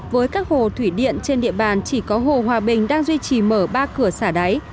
với các hồ thủy điện trên địa bàn chỉ có hồ hòa bình đang duy trì mở ba cửa xả đáy